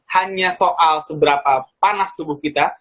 hanya soal seberapa panas tubuh kita